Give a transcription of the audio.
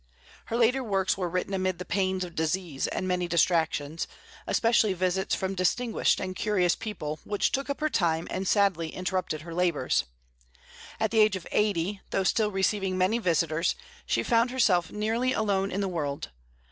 Her later works were written amid the pains of disease and many distractions, especially visits from distinguished and curious people, which took up her time and sadly interrupted her labors. At the age of eighty, though still receiving many visitors, she found herself nearly alone in the world.